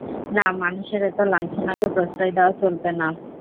না– মানুষের এত লাঞ্ছনাকে প্রশ্রয় দেওয়া চলবে না।